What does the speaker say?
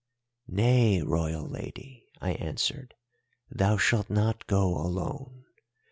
"'Nay, Royal Lady,' I answered, 'thou shalt not go alone.